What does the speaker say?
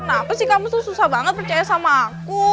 kenapa sih kamu tuh susah banget percaya sama aku